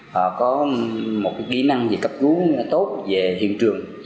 họ có một kỹ năng về cấp cứu tốt về hiện trường